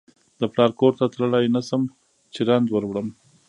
د پلار کور ته تللای نشم چې رنځ وروړم